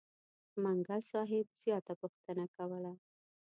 منګل صاحب زیاته پوښتنه کوله.